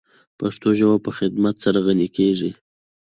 پښتو ژبه په خدمت سره غَنِی کیږی.